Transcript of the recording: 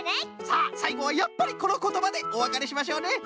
さあさいごはやっぱりこのことばでおわかれしましょうね。